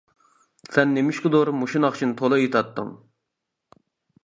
سەن نېمىشقىدۇر مۇشۇ ناخشىنى تولا ئېيتاتتىڭ.